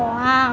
oh gitu doang